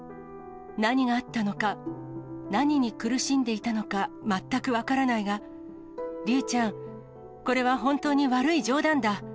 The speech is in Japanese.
何があったのか、何に苦しんでいたのか全く分からないが、竜ちゃん、これは本当に悪い冗談だ。